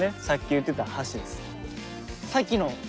さっきの？